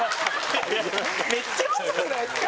めっちゃきつくないですか？